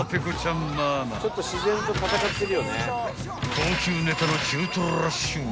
［高級ネタの中とろラッシュ］